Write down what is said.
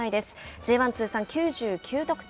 Ｊ１通算９９得点。